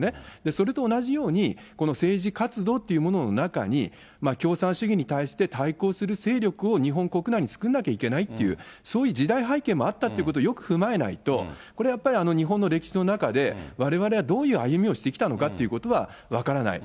それと同じように、この政治活動というものの中に、共産主義に対して対抗する勢力を、日本国内に作んなきゃいけないっていう、そういう時代背景もあったってことをよく踏まえないと、これやっぱり日本の歴史の中で、われわれはどういう歩みをしてきたのかってことが分からない。